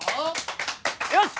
よし！